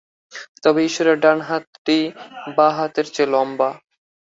তবে ঈশ্বরের ডান হাতটি বাঁ হাতের চেয়ে লম্বা।